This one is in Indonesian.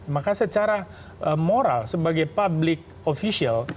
maka secara moral sebagai public official